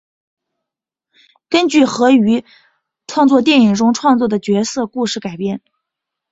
根据和于原创电影中创作的角色故事改编。